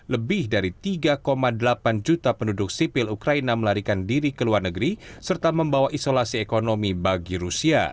lebih dari tiga delapan juta penduduk sipil ukraina melarikan diri ke luar negeri serta membawa isolasi ekonomi bagi rusia